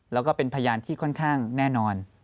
แล้วก็เป็นพยานที่ค่อนข้างแน่นอน